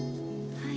はい。